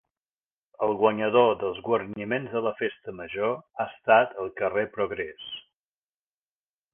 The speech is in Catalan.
El guanyador dels guarniments de la Festa Major ha estat el carrer Progrés.